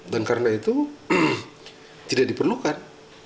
dan karena itu tidak diperlukan